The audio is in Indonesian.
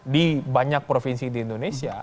di banyak provinsi di indonesia